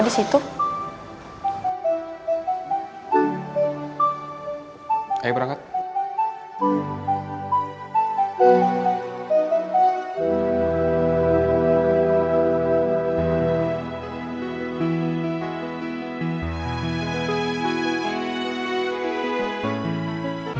jadi karena nyokapnya putri ngejalanin lo di pasar